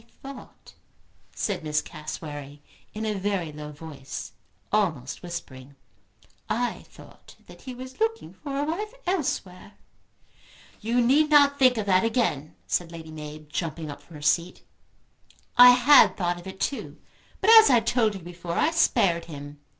"I thought," said Miss Cassewary, in a very low voice, almost whispering, "I thought that he was looking for a wife elsewhere." "You need not think of that again," said Lady Mab, jumping up from her seat. "I had thought of it too. But as I told you before, I spared him.